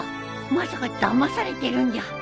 まさかだまされてるんじゃ！？